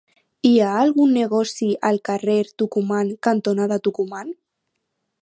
Hi ha algun negoci al carrer Tucumán cantonada Tucumán?